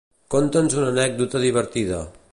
Conta'ns una anècdota divertida.